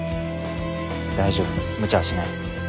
大丈夫むちゃはしない。